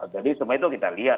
jadi semua itu kita lihat